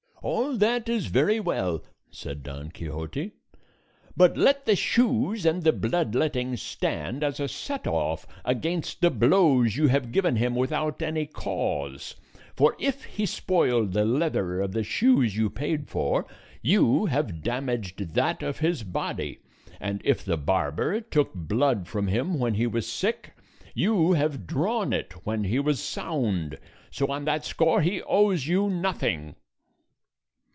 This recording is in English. "All that is very well," said Don Quixote; "but let the shoes and the blood lettings stand as a set off against the blows you have given him without any cause; for if he spoiled the leather of the shoes you paid for, you have damaged that of his body, and if the barber took blood from him when he was sick, you have drawn it when he was sound; so on that score he owes you nothing."